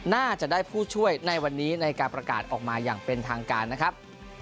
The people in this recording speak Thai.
น่าจะได้ผู้ช่วยในวันนี้ในการประกาศออกมาอย่างเป็นทางการนะครับ